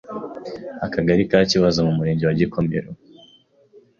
akagali ka kibaza mu murenge wa Gikomero,